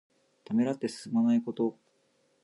ためらって進まないこと。